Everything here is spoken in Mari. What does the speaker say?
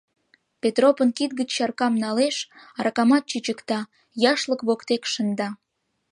Петропын кид гыч чаркам налеш, аракамат чӱчыкта, яшлык воктек шында.